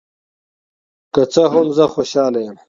که څه هم، زه خوشحال یم.